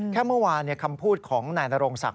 เมื่อวานคำพูดของนายนโรงศักดิ